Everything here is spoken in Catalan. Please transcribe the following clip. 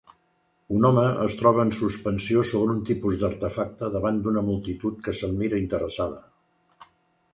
Un home es troba en suspensió sobre un tipus d'artefacte davant d'una multitud que se'l mira interessada.